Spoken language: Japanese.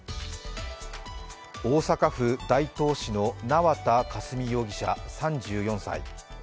大阪府大東市の縄田佳純容疑者３４歳。